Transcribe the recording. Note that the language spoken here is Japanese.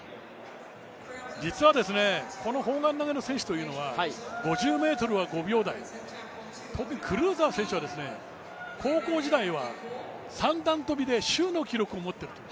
実はこの砲丸投の選手というのは５０ｍは５秒台特にクルーザー選手は高校時代は三段跳で州の記録を持っていると。